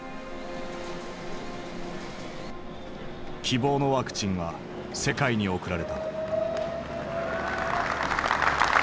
希望のワクチンは世界に送られた。